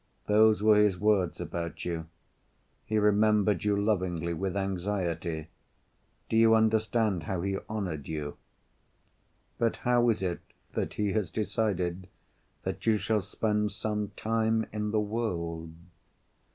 Those were his words about you. He remembered you lovingly, with anxiety; do you understand how he honored you? But how is it that he has decided that you shall spend some time in the world?